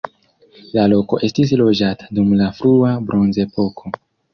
La loko estis loĝata dum la frua bronzepoko.